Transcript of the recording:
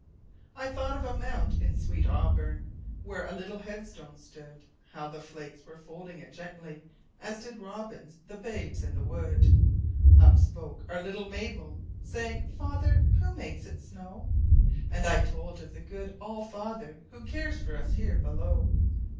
I thought of a mound in sweet AuburnWhere a little headstone stood; How the flakes were folding it gently, As did robins the babes in the wood. Up spoke our own little Mabel, Saying, "Father, who makes it snow?"And I told of the good All fatherWho cares for us here below.